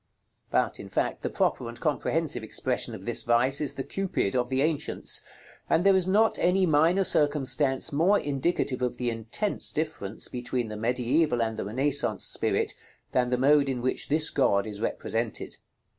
But, in fact, the proper and comprehensive expression of this vice is the Cupid of the ancients; and there is not any minor circumstance more indicative of the intense difference between the mediæval and the Renaissance spirit, than the mode in which this god is represented.